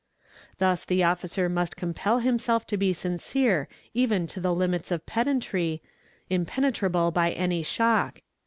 Thus the officer must compel himself to be sincere even to the limits of pedantry, impenetrable by any shock.